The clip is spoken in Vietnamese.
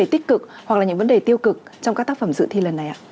tích cực hoặc là những vấn đề tiêu cực trong các tác phẩm dự thi lần này ạ